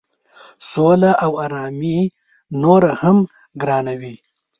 سوله او آرامي نوره هم ګرانوي.